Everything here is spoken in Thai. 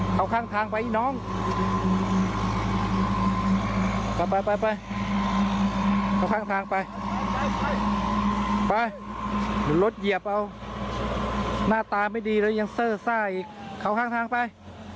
เข้าข้างทางไป